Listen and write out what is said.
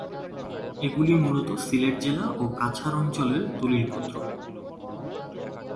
এগুলি মূলত সিলেট জেলা ও কাছাড় অঞ্চলের দলিলপত্র।